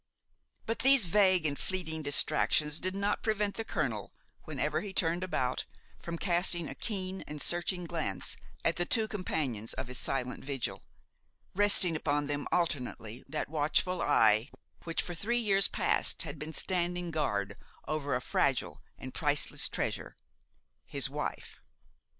But these vague and fleeting distractions did not prevent the colonel, whenever he turned about, from casting a keen and searching glance at the two companions of his silent vigil, resting upon them alternately that watchful eye which for three years past had been standing guard over a fragile and priceless treasure, his wife.